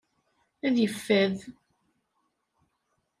Ad yeffad.